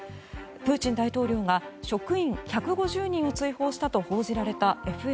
プーチン大統領が職員１５０人を追放したと報じられたＦＳＢ。